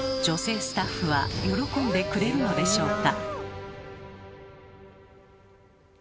女性スタッフは喜んでくれるのでしょうか。